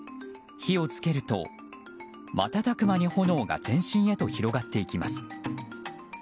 火を付けると、またたく間に炎が全身へと広がっていきます。